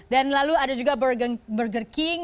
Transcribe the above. dan lalu ada juga burger king